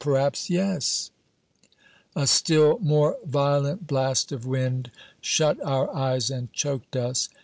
"P'raps, yes " A still more violent blast of wind shut our eyes and choked us.